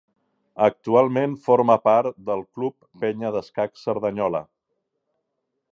Actualment forma part del Club Penya d'Escacs Cerdanyola.